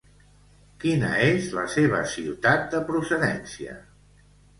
Quina és la seva ciutat de procedència?